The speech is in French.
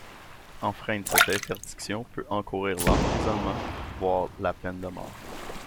Enfreindre cette interdiction peut faire encourir l'emprisonnement, voire la peine de mort.